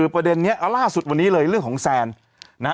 ประเด็นนี้ล่าสุดวันนี้เลยเรื่องของแซนนะฮะ